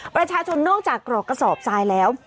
ประชาชนนอกจากกรอกกระสอบทรายแล้ว